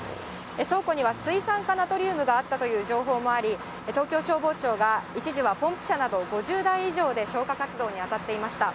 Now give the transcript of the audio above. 倉庫には水酸化ナトリウムがあったという情報もあり、東京消防庁が、一時はポンプ車など５０台以上で消火活動に当たっていました。